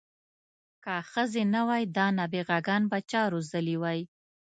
که ښځې نه وای دا نابغه ګان به چا روزلي وی.